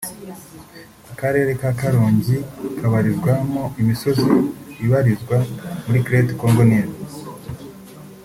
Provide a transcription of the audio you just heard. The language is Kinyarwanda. Akarere ka Karongi kabarizwamo imisozi ibarizwa muri Crete Congo Nil